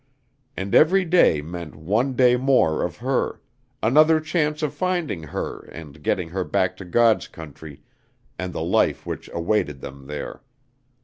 And every day meant one day more of her another chance of finding her and getting her back to God's country and the life which awaited them there.